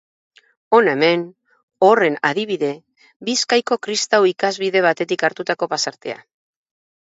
Hona hemen, horren adibide, Bizkaiko kristau ikasbide batetik hartutako pasartea.